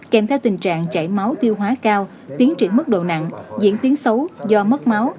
kèm theo tình trạng chảy máu tiêu hóa cao tiến triển mức độ nặng diễn tiến xấu do mất máu